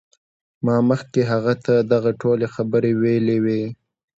ما مخکې هغه ته دغه ټولې خبرې ویلې وې